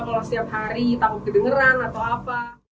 kalau setiap hari takut kedengeran atau apa